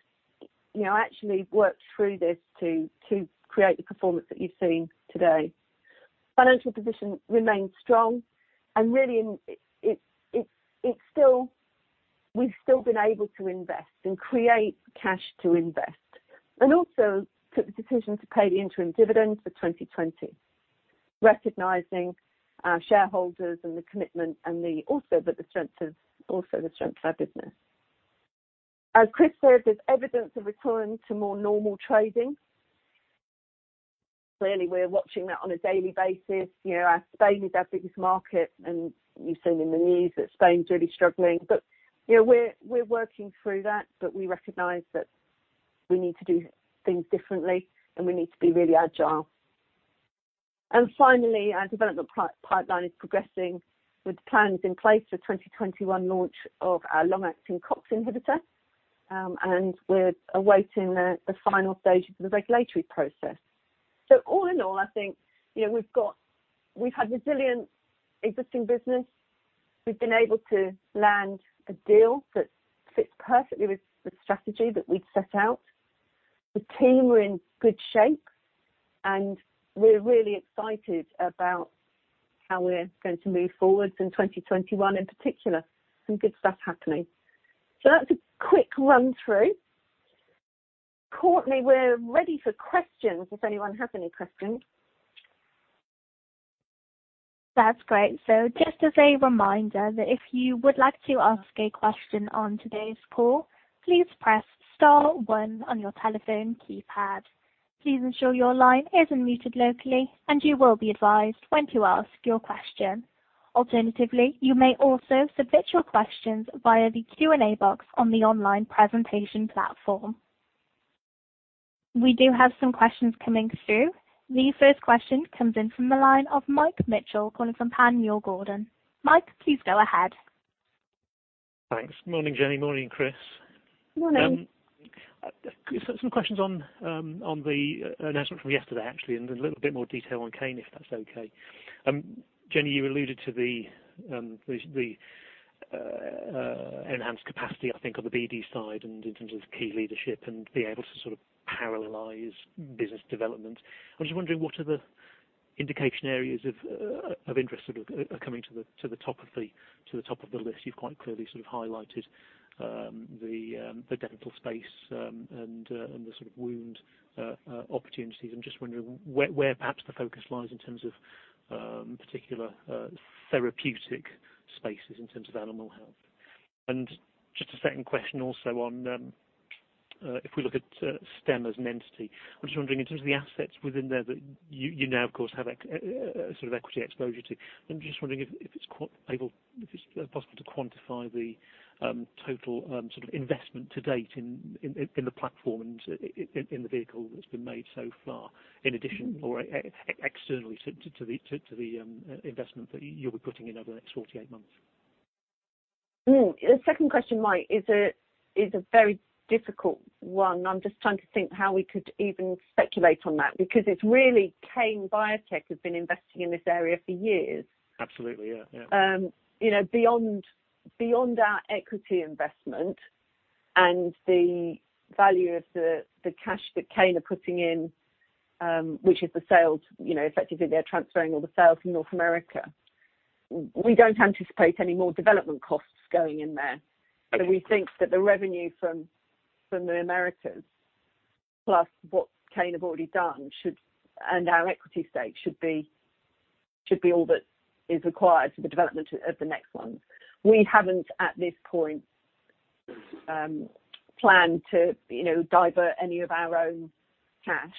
B: actually worked through this to create the performance that you've seen today. Financial position remains strong. Really, we've still been able to invest and create cash to invest. Also, took the decision to pay the interim dividend for 2020, recognizing our shareholders and the commitment and also the strength of our business. As Chris said, there's evidence of a return to more normal trading. We're watching that on a daily basis. Spain is our biggest market. You've seen in the news that Spain's really struggling. We're working through that, but we recognize that we need to do things differently and we need to be really agile. Finally, our development pipeline is progressing with plans in place for 2021 launch of our long-acting COX inhibitor, and we're awaiting the final stages of the regulatory process. All in all, I think, we've had resilient existing business. We've been able to land a deal that fits perfectly with the strategy that we'd set out. The team are in good shape, and we're really excited about how we're going to move forward in 2021, in particular. Some good stuff happening. That's a quick run-through. Courtney, we're ready for questions if anyone has any questions.
A: That's great. Just as a reminder that if you would like to ask a question on today's call, please press star one on your telephone keypad. Please ensure your line is unmuted locally, and you will be advised when to ask your question. Alternatively, you may also submit your questions via the Q&A box on the online presentation platform. We do have some questions coming through. The first question comes in from the line of Mike Mitchell calling from Panmure Gordon. Mike, please go ahead.
D: Thanks. Morning, Jenny. Morning, Chris.
B: Morning.
D: Some questions on the announcement from yesterday, actually, and a little bit more detail on Kane, if that's okay. Jenny, you alluded to the enhanced capacity, I think, on the BD side and in terms of key leadership and being able to sort of parallelize business development. I'm just wondering, what are the indication areas of interest sort of are coming to the top of the list. You've quite clearly sort of highlighted the dental space and the sort of wound opportunities. I'm just wondering where perhaps the focus lies in terms of particular therapeutic spaces in terms of animal health. Just a second question also on if we look at STEM as an entity. I'm just wondering in terms of the assets within there that you now, of course, have a sort of equity exposure to. I'm just wondering if it's possible to quantify the total investment to date in the platform and in the vehicle that's been made so far, in addition or externally to the investment that you'll be putting in over the next 48 months?
B: The second question, Mike, is a very difficult one. I'm just trying to think how we could even speculate on that, because it's really Kane Biotech who've been investing in this area for years.
D: Absolutely. Yeah.
B: Beyond our equity investment and the value of the cash that Kane are putting in, which is the sales. Effectively, they're transferring all the sales from North America. We don't anticipate any more development costs going in there. We think that the revenue from the Americas, plus what Kane have already done and our equity stake should be all that is required for the development of the next ones. We haven't, at this point, planned to divert any of our own cash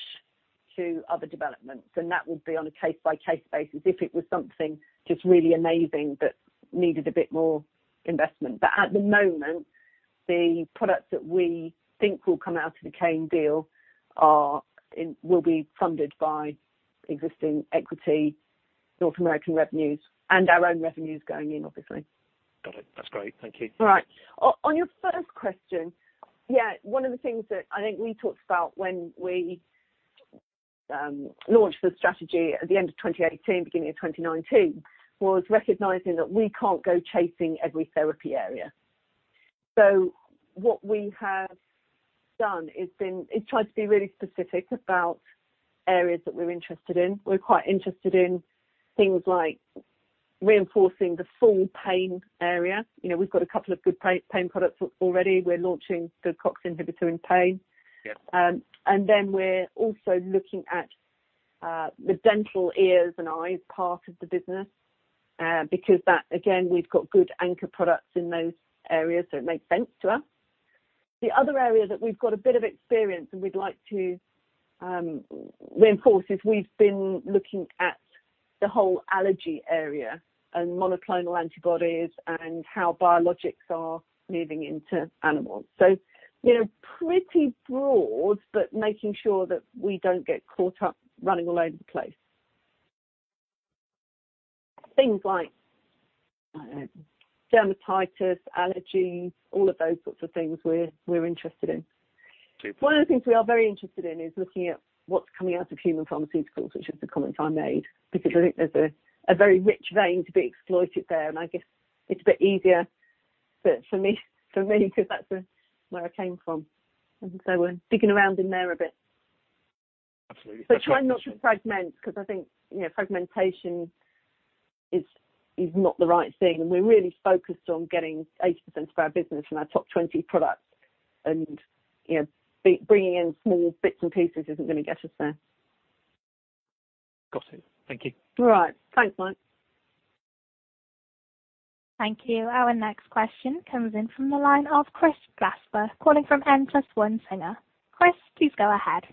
B: to other developments, and that would be on a case-by-case basis if it was something just really amazing that needed a bit more investment. At the moment, the products that we think will come out of the Kane deal will be funded by existing equity, North American revenues, and our own revenues going in, obviously.
D: Got it. That's great. Thank you.
B: All right. On your first question. Yeah, one of the things that I think we talked about when we launched the strategy at the end of 2018, beginning of 2019, was recognizing that we can't go chasing every therapy area. What we have done is tried to be really specific about areas that we're interested in. We're quite interested in things like reinforcing the full pain area. We've got a couple of good pain products already. We're launching the COX inhibitor in pain.
D: Yeah.
B: We're also looking at the dental, ears, and eyes part of the business, because that, again, we've got good anchor products in those areas, so it makes sense to us. The other area that we've got a bit of experience and we'd like to reinforce is we've been looking at the whole allergy area and monoclonal antibodies and how biologics are moving into animals. Pretty broad, but making sure that we don't get caught up running all over the place. Things like dermatitis, allergies, all of those sorts of things we're interested in.
D: Okay.
B: One of the things we are very interested in is looking at what's coming out of human pharmaceuticals, which is the comment I made, because I think there's a very rich vein to be exploited there, and I guess it's a bit easier for me, because that's where I came from. We're digging around in there a bit.
D: Absolutely.
B: Trying not to fragment, because I think fragmentation is not the right thing, and we're really focused on getting 80% of our business from our top 20 products. Bringing in small bits and pieces isn't going to get us there.
D: Got it. Thank you.
B: All right. Thanks, Mike.
A: Thank you. Our next question comes in from the line of Chris Glasper, calling from N+1 Singer. Chris, please go ahead.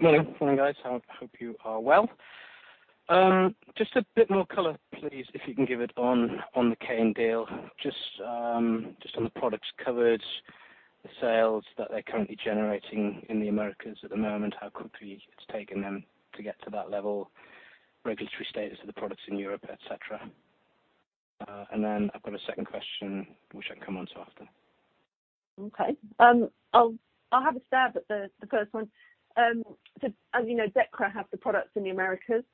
E: Morning. Morning, guys. Hope you are well. Just a bit more color, please, if you can give it on the Kane deal. Just on the products covered, the sales that they're currently generating in the Americas at the moment, how quickly it's taken them to get to that level, regulatory status of the products in Europe, et cetera. I've got a second question, which I can come on to after.
B: Okay. I'll have a stab at the first one. As you know, Dechra have the products in the Americas.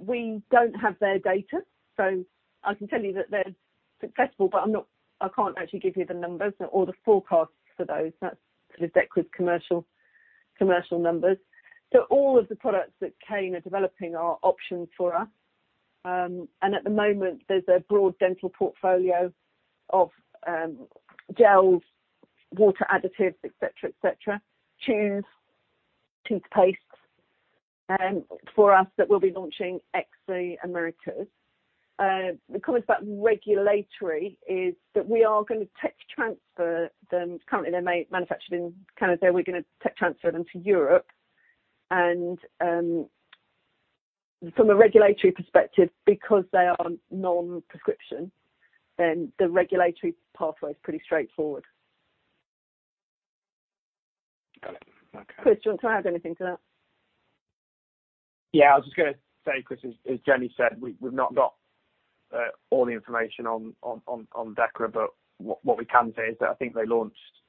B: We don't have their data. I can tell you that they're successful, but I can't actually give you the numbers or the forecasts for those. That's Dechra's commercial numbers. All of the products that Kane are developing are options for us. At the moment, there's a broad dental portfolio of gels, water additives, et cetera, et cetera, chews, toothpastes for us that we'll be launching ex the Americas. The comment about regulatory is that we are going to tech transfer them. Currently, they're manufactured in Canada. We're going to tech transfer them to Europe. From a regulatory perspective, because they are non-prescription, the regulatory pathway is pretty straightforward.
E: Got it. Okay.
B: Chris, do you want to add anything to that?
C: Yeah, I was just going to say, Chris, as Jenny said, we've not got all the information on Dechra. What we can say is that I think they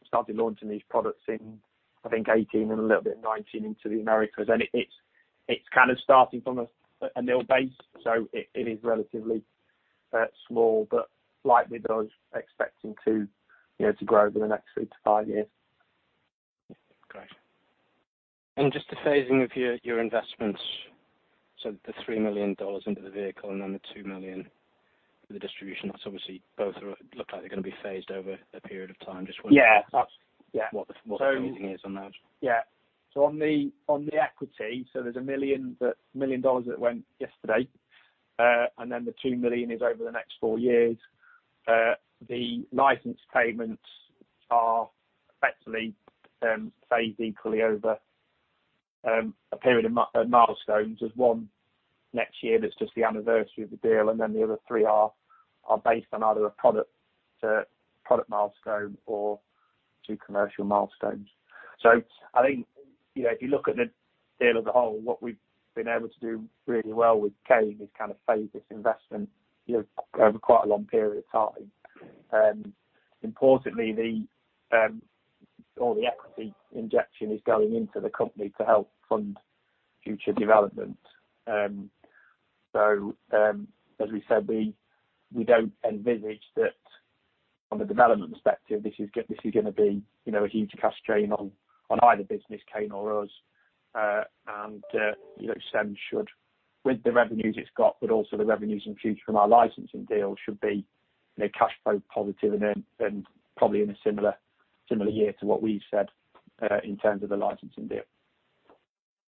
C: started launching these products in, I think 2018 and a little bit of 2019 into the Americas. It's kind of starting from a nil base. It is relatively small, but likely though, expecting to grow over the next three to five years.
E: Great. Just the phasing of your investments. The $3 million into the vehicle and then the $2 million for the distribution. Obviously, both look like they're going to be phased over a period of time.
C: Yeah.
E: what the phasing is on those?
C: On the equity, there's $1 million that went yesterday. The $2 million is over the next 4 years. The license payments are effectively phased equally over a period of milestones. There's one next year that's just the anniversary of the deal, the other three are based on either a product milestone or two commercial milestones. I think if you look at the deal as a whole, what we've been able to do really well with Kane is kind of phase this investment over quite a long period of time. Importantly, all the equity injection is going into the company to help fund future development. As we said, we don't envisage that from a development perspective, this is going to be a huge cash strain on either business, Kane or us. STEM, with the revenues it’s got, but also the revenues in future from our licensing deal, should be cash flow positive and probably in a similar year to what we’ve said in terms of the licensing deal.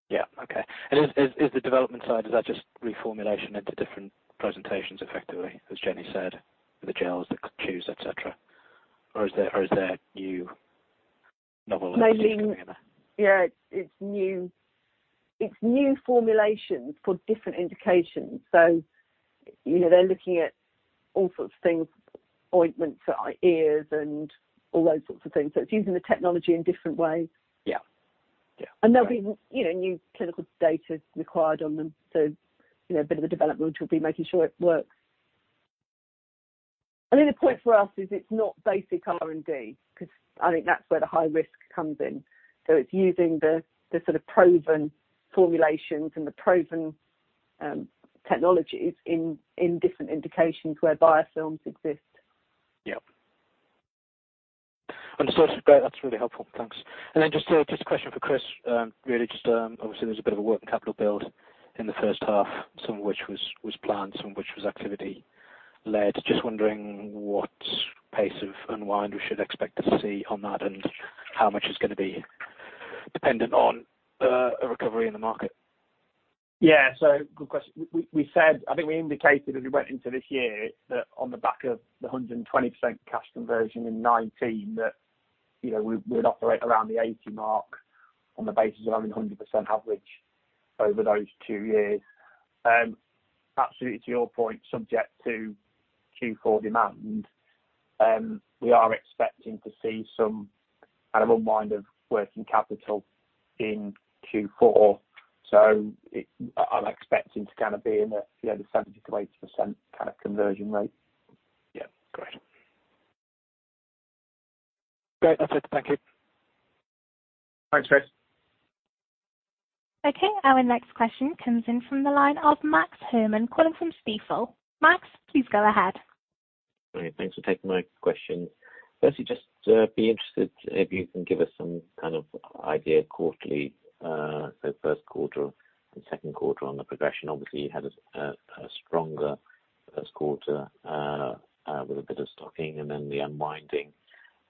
E: Yeah. Okay. Is the development side, is that just reformulation into different presentations, effectively, as Jenny said, the gels, the chews, et cetera? Or is there new novel?
B: Mainly-
E: coming in there.
B: Yeah, it's new formulations for different indications. They're looking at all sorts of things, ointments for ears and all those sorts of things. It's using the technology in different ways.
C: Yeah.
E: Yeah. Great.
B: There'll be new clinical data required on them. A bit of the development will be making sure it works. I think the point for us is it's not basic R&D, because I think that's where the high risk comes in. It's using the sort of proven formulations and the proven technologies in different indications where biofilms exist.
E: Yeah. Understood. Great. That's really helpful. Thanks. Then just a question for Chris. Obviously, there was a bit of a working capital build in the first half, some of which was planned, some of which was activity-led. Just wondering what pace of unwind we should expect to see on that, and how much is going to be dependent on a recovery in the market?
C: Yeah. Good question. I think we indicated as we went into this year that on the back of the 120% cash conversion in 2019, that we would operate around the 80% mark on the basis of having 100% average over those two years. Absolutely, to your point, subject to Q4 demand, we are expecting to see some kind of unwind of working capital in Q4, so I'm expecting to be in the 70%-80% kind of conversion rate.
E: Yeah. Great.
C: Great. That's it. Thank you.
E: Thanks, Chris.
A: Okay. Our next question comes in from the line of Max Herrmann, calling from Stifel. Max, please go ahead.
F: Great. Thanks for taking my question. Just be interested if you can give us some kind of idea quarterly, so first quarter and second quarter on the progression. You had a stronger first quarter with a bit of stocking and then the unwinding.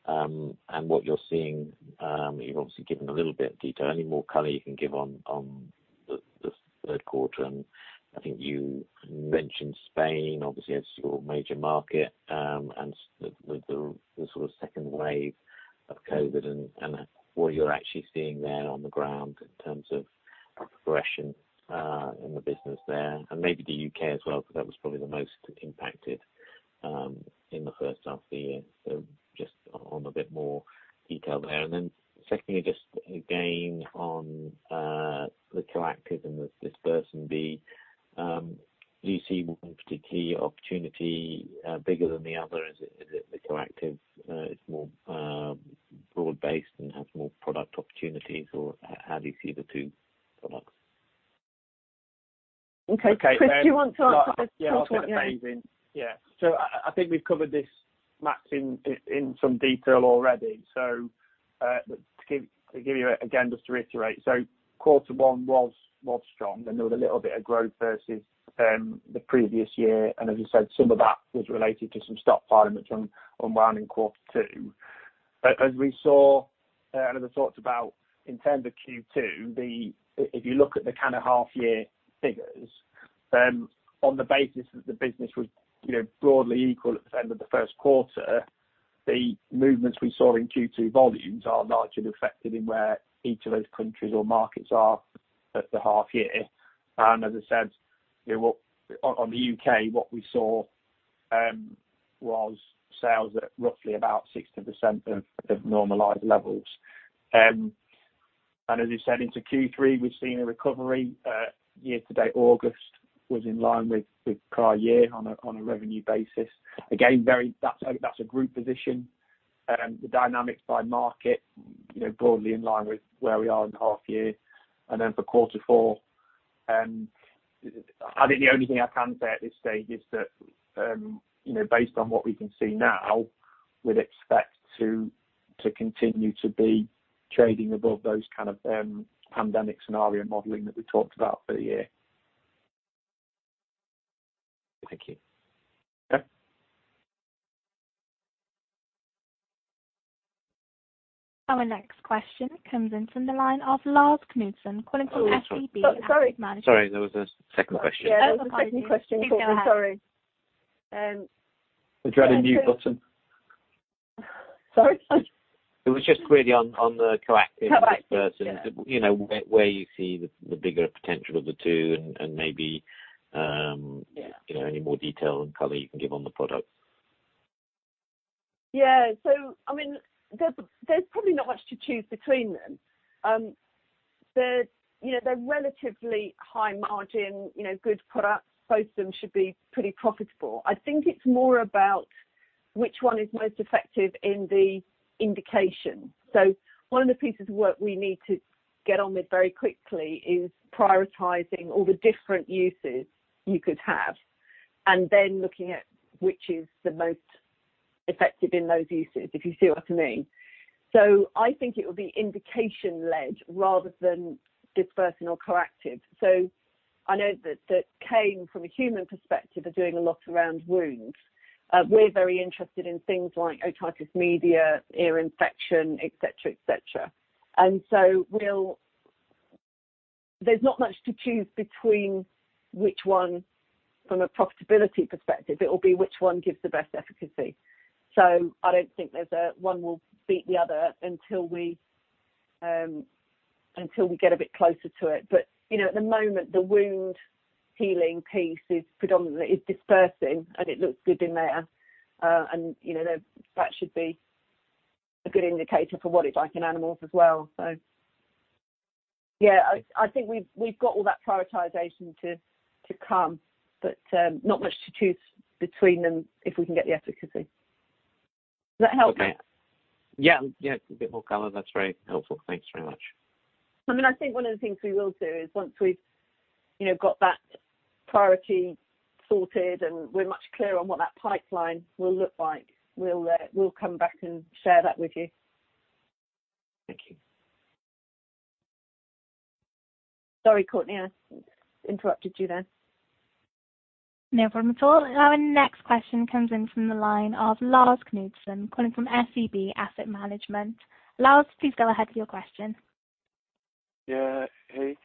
F: What you're seeing, you've obviously given a little bit of detail. Any more color you can give on the third quarter? I think you mentioned Spain, obviously, as your major market, and with the sort of second wave of COVID and what you're actually seeing there on the ground in terms of progression in the business there, and maybe the U.K. as well, because that was probably the most impacted in the first half of the year. Just on a bit more detail there. Secondly, just again on the coactiv+ and the DispersinB, do you see one particularly opportunity bigger than the other? Is it the coactiv+ is more broad-based and has more product opportunities, or how do you see the two products?
B: Okay. Chris, do you want to answer this part? Yeah.
C: Yeah. I'll get my face in. Yeah. I think we've covered this, Max, in some detail already. To give you again, just to reiterate, quarter one was strong, and there was a little bit of growth versus the previous year, and as you said, some of that was related to some stockpiling, which unwound in quarter two. As we saw, and as I talked about in terms of Q2, if you look at the kind of half year figures, on the basis that the business was broadly equal at the end of the first quarter, the movements we saw in Q2 volumes are largely reflected in where each of those countries or markets are at the half year. As I said, on the U.K., what we saw was sales at roughly about 60% of normalized levels. As you said, into Q3, we've seen a recovery. Year to date, August was in line with prior year on a revenue basis. Again, that's a group position. The dynamics by market broadly in line with where we are in the half year. For quarter four, I think the only thing I can say at this stage is that based on what we can see now, we'd expect to continue to be trading above those kind of pandemic scenario modeling that we talked about for the year.
F: Thank you.
C: Yeah.
A: Our next question comes in from the line of Lars Knudsen, calling from SEB.
B: Oh, sorry.
A: Asset Management.
F: Sorry, there was a second question.
B: Yeah, there was a second question.
A: Over to Lars Knudsen. Go ahead.
B: Sorry.
C: Is there a mute button?
B: Sorry.
F: It was just really on the coactiv+.
B: coactiv+™
F: Dispersin.
B: Yeah.
F: Where you see the bigger potential of the two?
B: Yeah
F: any more detail and color you can give on the product.
B: Yeah. There's probably not much to choose between them. They're relatively high margin, good products. Both of them should be pretty profitable. I think it's more about which one is most effective in the indication. One of the pieces of work we need to get on with very quickly is prioritizing all the different uses you could have, and then looking at which is the most effective in those uses, if you see what I mean. I think it will be indication-led rather than Dispersin or coactiv+. I know that came from a human perspective of doing a lot around wounds. We're very interested in things like otitis media, ear infection, et cetera. There's not much to choose between which one from a profitability perspective, it will be which one gives the best efficacy. I don't think one will beat the other until we get a bit closer to it. At the moment, the wound healing piece is Dispersin, and it looks good in there. That should be a good indicator for what it's like in animals as well. Yeah, I think we've got all that prioritization to come, but not much to choose between them if we can get the efficacy. Does that help?
F: Okay. Yeah. A bit more color. That's very helpful. Thanks very much.
B: I think one of the things we will do is once we've got that priority sorted, and we're much clearer on what that pipeline will look like, we'll come back and share that with you.
F: Thank you.
B: Sorry, Courtney, I interrupted you there.
A: No problem at all. Our next question comes in from the line of Lars Knudsen calling from SEB Asset Management. Lars, please go ahead with your question.
G: Yeah. Hey.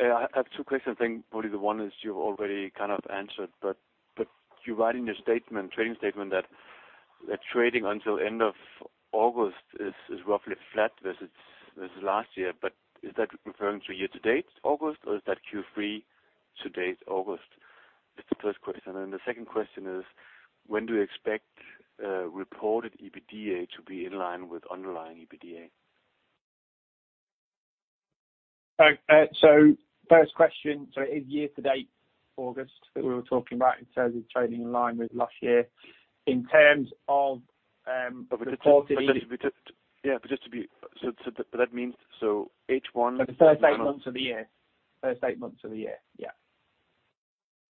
G: I have two questions. I think probably the one is you've already kind of answered, you write in your statement, trading statement that trading until end of August is roughly flat versus last year. Is that referring to year-to-date August, or is that Q3 to date August? That's the first question. The second question is, when do you expect reported EBITDA to be in line with underlying EBITDA?
C: First question, it is year to date August that we were talking about in terms of trading in line with last year.
G: Yeah. That means H1.
C: For the first eight months of the year. First eight months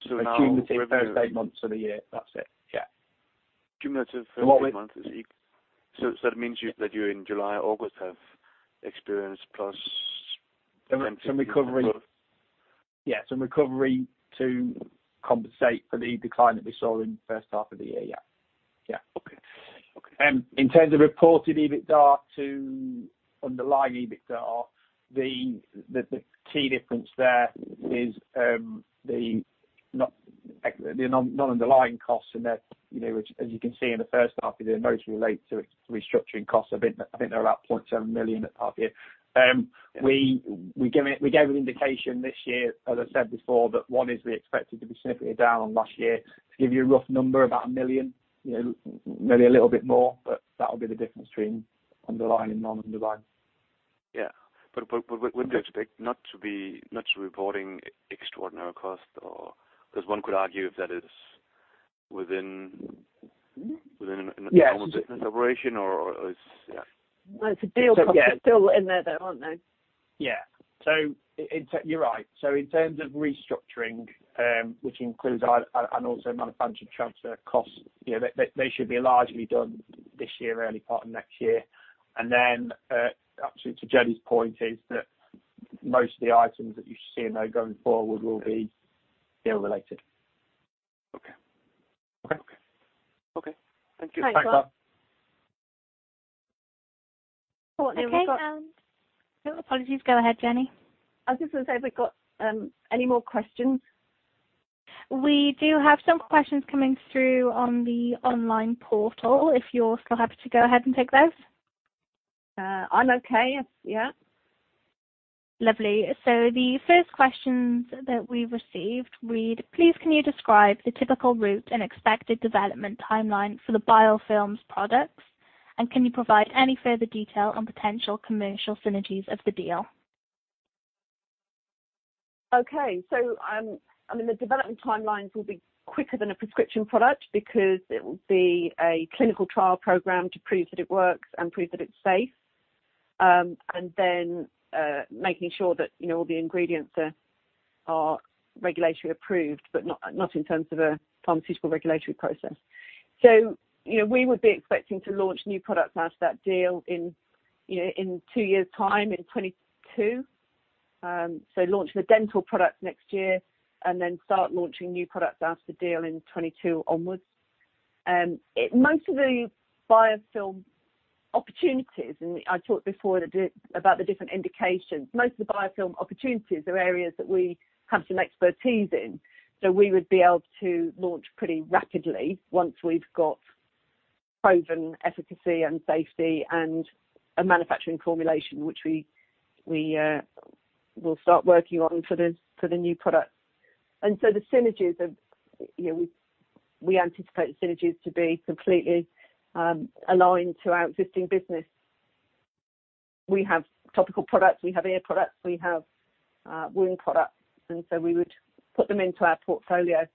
C: of the year. Yeah.
G: So now-
C: Cumulative first eight months of the year. That's it. Yeah.
G: Cumulative first eight months. That means that you in July, August have experienced.
C: Some recovery. Yeah, some recovery to compensate for the decline that we saw in the first half of the year. Yeah.
G: Okay.
C: In terms of reported EBITDA to underlying EBITDA, the key difference there is the non-underlying costs in there, which as you can see in the first half of the year, most relate to restructuring costs. I think they're about 0.7 million at half-year. We gave an indication this year, as I said before, that we expected to be significantly down on last year. To give you a rough number, about 1 million, maybe a little bit more, but that'll be the difference between underlying and non-underlying.
G: Yeah. When do you expect not to be much reporting extraordinary cost?
C: Yes
G: a normal business operation or is? Yeah.
B: It's a deal cost. It's still in there though, aren't they?
C: Yeah. You're right. In terms of restructuring, which includes and also manufacturing transfer costs, they should be largely done this year, early part of next year. Absolutely to Jenny's point is that most of the items that you see in there going forward will be deal related.
G: Okay.
C: Okay.
G: Okay. Thank you.
C: Thanks, Lars.
A: Apologies. Go ahead, Jenny. I was just going to say if we've got any more questions. We do have some questions coming through on the online portal, if you're still happy to go ahead and take those.
B: I'm okay. Yeah.
A: Lovely. The first questions that we received read, "Please can you describe the typical route and expected development timeline for the biofilms products, and can you provide any further detail on potential commercial synergies of the deal?"
B: Okay. The development timelines will be quicker than a prescription product because it will be a clinical trial program to prove that it works and prove that it's safe. Making sure that all the ingredients are regulatory approved, but not in terms of a pharmaceutical regulatory process. We would be expecting to launch new products out of that deal in two years' time, in 2022. Launch the dental products next year and then start launching new products after the deal in 2022 onwards. Most of the biofilm opportunities, and I talked before about the different indications. Most of the biofilm opportunities are areas that we have some expertise in. We would be able to launch pretty rapidly once we've got proven efficacy and safety and a manufacturing formulation, which we will start working on for the new product. We anticipate synergies to be completely aligned to our existing business. We have topical products, we have ear products, we have wound products, and so we would put them into our portfolio.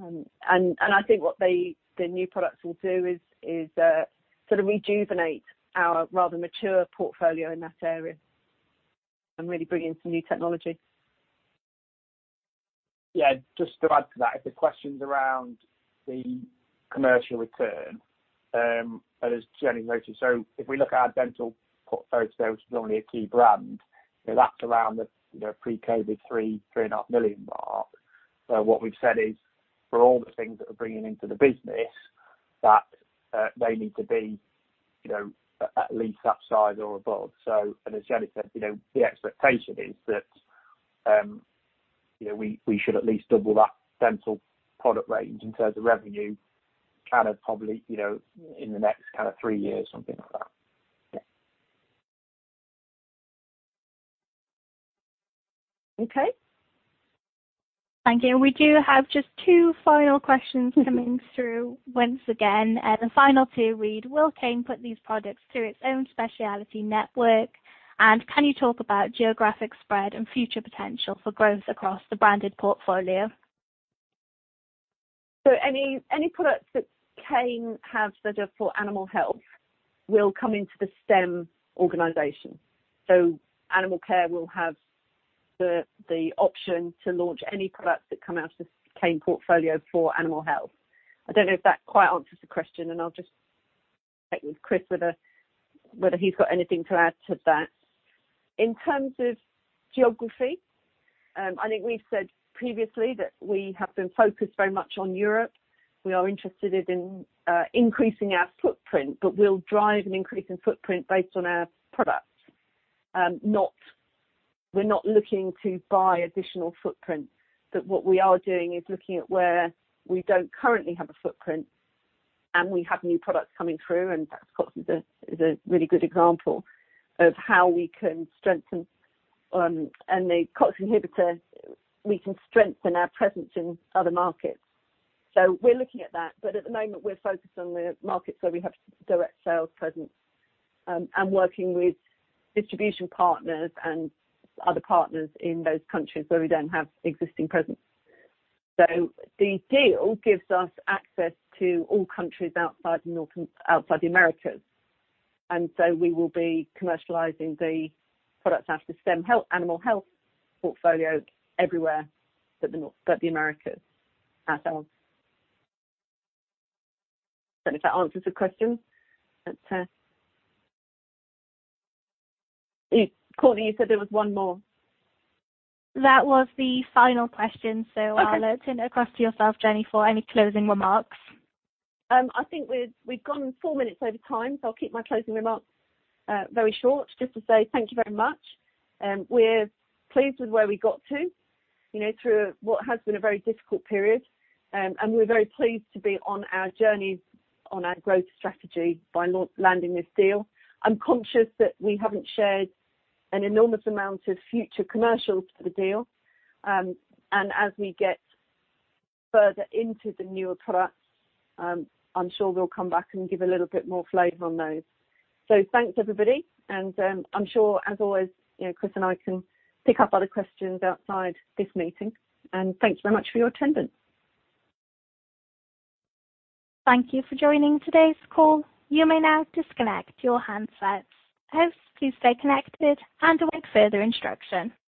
B: I think what the new products will do is sort of rejuvenate our rather mature portfolio in that area and really bring in some new technology.
C: Just to add to that. If the question's around the commercial return, as Jenny noted. If we look at our dental portfolio, which is normally a key brand, that's around the pre-COVID 3 million-3.5 million mark. What we've said is for all the things that we're bringing into the business, that they need to be at least that size or above. As Jenny said, the expectation is that we should at least double that dental product range in terms of revenue, kind of probably in the next kind of three years, something like that.
A: Okay. Thank you. We do have just two final questions coming through once again. The final two read, "Will Kane put these products through its own speciality network?" "Can you talk about geographic spread and future potential for growth across the branded portfolio?
B: Any products that Kane have that are for animal health will come into the STEM organization. Animalcare will have the option to launch any products that come out of the Kane portfolio for animal health. I don't know if that quite answers the question, and I'll just check with Chris whether he's got anything to add to that. In terms of geography, I think we've said previously that we have been focused very much on Europe. We are interested in increasing our footprint, but we'll drive an increase in footprint based on our products. We're not looking to buy additional footprint, but what we are doing is looking at where we don't currently have a footprint and we have new products coming through, and uncertain is a really good example of how we can strengthen, and the COX inhibitor, we can strengthen our presence in other markets. We're looking at that. At the moment, we're focused on the markets where we have direct sales presence, and working with distribution partners and other partners in those countries where we don't have existing presence. The deal gives us access to all countries outside the Americas. We will be commercializing the products out of the STEM Animal Health portfolio everywhere but the Americas ourselves. Don't know if that answers the question. Courtney, you said there was one more.
A: That was the final question.
B: Okay.
A: I'll hand across to yourself, Jenny, for any closing remarks.
B: I think we've gone four minutes over time. I'll keep my closing remarks very short just to say thank you very much. We're pleased with where we got to through what has been a very difficult period. We're very pleased to be on our journey on our growth strategy by landing this deal. I'm conscious that we haven't shared an enormous amount of future commercials for the deal. As we get further into the newer products, I'm sure we'll come back and give a little bit more flavor on those. Thanks, everybody. I'm sure, as always, Chris and I can pick up other questions outside this meeting. Thanks very much for your attendance.
A: Thank you for joining today's call. You may now disconnect your handsets. Hosts, please stay connected and await further instruction.